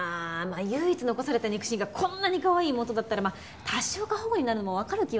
あ唯一残された肉親がこんなにかわいい妹だったらまあ多少過保護になるのもわかる気はするけど。